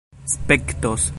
spektos